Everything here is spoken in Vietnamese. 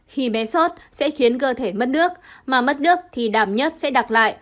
khi bé sốt sẽ khiến cơ thể mất nước mà mất nước thì đảm nhất sẽ đặc lại